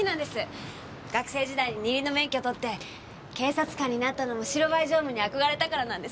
学生時代に二輪の免許を取って警察官になったのも白バイ乗務に憧れたからなんです。